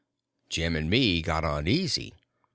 Jim and me got uneasy.